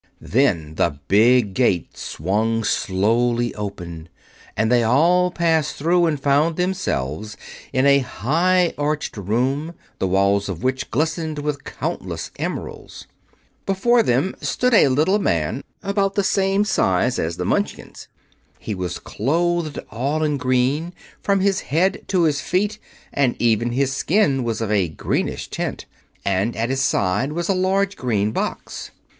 Then the big gate swung slowly open, and they all passed through and found themselves in a high arched room, the walls of which glistened with countless emeralds. Before them stood a little man about the same size as the Munchkins. He was clothed all in green, from his head to his feet, and even his skin was of a greenish tint. At his side was a large green box.